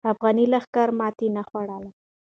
افغاني لښکر ماتې نه خوړله.